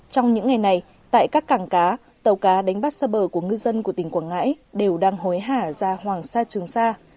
trong những ngày này tại các cảng cá tàu cá đánh bắt xa bờ của ngư dân của tỉnh quảng ngãi đều đang hối hả ra hoàng sa trường sa